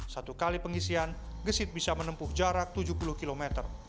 satu kali pengisian gesit bisa menempuh jarak tujuh puluh km